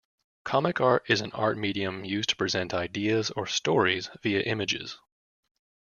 Comic art is an art medium used to present ideas or stories via images.